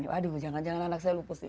waduh jangan anak saya lupus